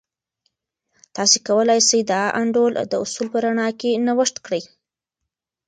تاسې کولای سئ د انډول د اصولو په رڼا کې نوښت وکړئ.